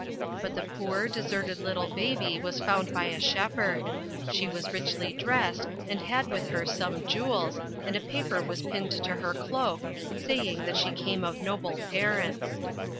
But the poor, deserted little baby was found by a shepherd. She was richly dressed, and had with her some jewels, and a paper was pinned to her cloak, saying that she came of noble parents.